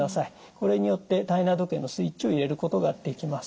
これによって体内時計のスイッチを入れることができます。